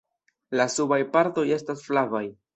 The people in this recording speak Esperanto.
La subaj partoj estas flavaj.